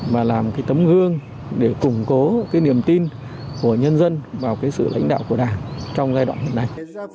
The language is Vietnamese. mà làm cái tấm gương để củng cố cái niềm tin của nhân dân vào cái sự lãnh đạo của đảng trong giai đoạn này